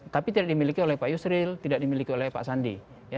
tapi tidak dimiliki oleh pak yusril tidak dimiliki oleh pak sandi